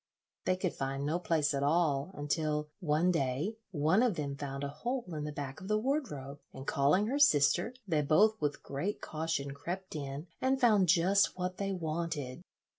They could find no place at all, until one day one of them found a hole in the back of the wardrobe, and calling her sister, they both with great caution crept in and found just what they wanted.